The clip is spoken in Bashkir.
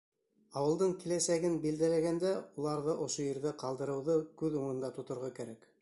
Ауылдың киләсәген билдәләгәндә, уларҙы ошо ерҙә ҡалдырыуҙы күҙ уңында тоторға кәрәк.